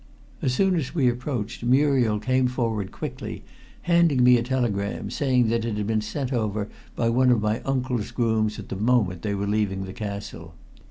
As soon as we approached Muriel came forward quickly, handing me a telegram, saying that it had been sent over by one of my uncle's grooms at the moment they were leaving the castle.